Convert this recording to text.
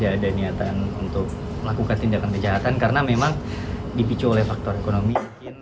tidak ada niatan untuk melakukan tindakan kejahatan karena memang dipicu oleh faktor ekonomi